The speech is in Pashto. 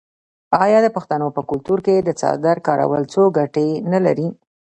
آیا د پښتنو په کلتور کې د څادر کارول څو ګټې نلري؟